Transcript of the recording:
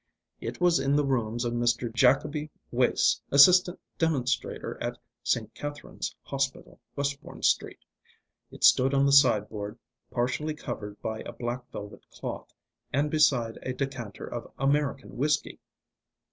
It was in the rooms of Mr. Jacoby Wace, Assistant Demonstrator at St. Catherine's Hospital, Westbourne Street. It stood on the sideboard partially covered by a black velvet cloth, and beside a decanter of American whisky.